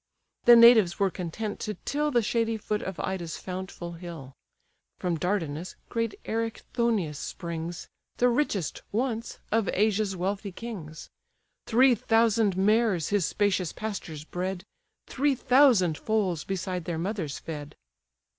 The natives were content to till The shady foot of Ida's fountful hill. From Dardanus great Erichthonius springs, The richest, once, of Asia's wealthy kings; Three thousand mares his spacious pastures bred, Three thousand foals beside their mothers fed.